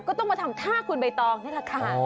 ก็ต้องมาทำท่าคุณใบตองนี่แหละค่ะ